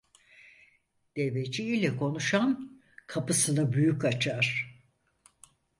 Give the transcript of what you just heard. Deveci ile konuşan kapısını büyük açar.